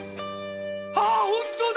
あ本当だ！